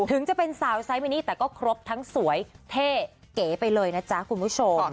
ถึงจะเป็นสาวไซมินิแต่ก็ครบทั้งสวยเท่เก๋ไปเลยนะจ๊ะคุณผู้ชม